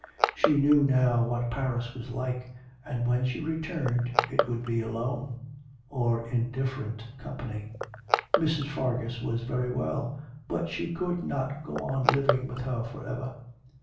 She knew now what Paris was like, and when she returned it would be alone, or in different company. Mrs. Fargus was very well, but she could not go on living with her for ever.